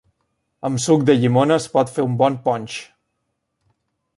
Amb suc de llimona es pot fer un bon ponx.